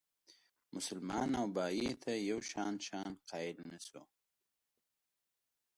مسلمان او بهايي ته یو شان شأن قایل نه شو.